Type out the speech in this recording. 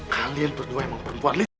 kalian berdua emang perempuan nih